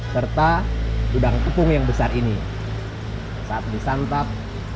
serta udang tepung yang besar ini saat disantap